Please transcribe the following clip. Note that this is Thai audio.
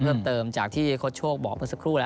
เพิ่มเติมจากที่โค้ชโชคบอกเมื่อสักครู่แล้ว